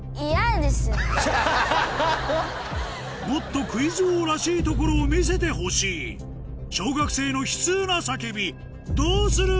もっとクイズ王らしいところを見せてほしい小学生の悲痛な叫びどうする？